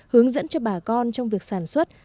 hướng dẫn cho bà con trong việc sản xuất